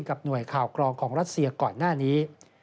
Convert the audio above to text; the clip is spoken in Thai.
หน่วยข่าวกรองของรัสเซียก่อนหน้านี้